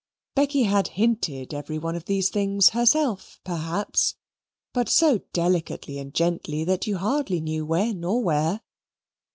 Becky had hinted every one of these things herself, perhaps, but so delicately and gently that you hardly knew when or where.